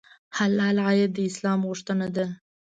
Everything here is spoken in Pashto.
حلال عاید د اسلام غوښتنه ده.